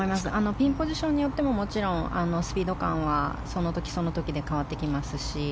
ピンポジションとかももちろんスピード感はその時その時で変わってきますし。